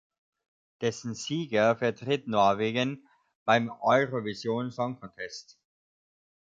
Dessen Sieger vertritt Norwegen beim Eurovision Song Contest.